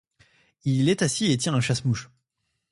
Il est assis et tient un chasse-mouche.